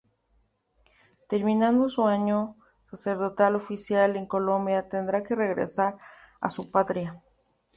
Terminado su año sacerdotal oficial en Colombia, tendría que regresar a su patria.